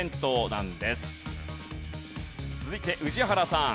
続いて宇治原さん。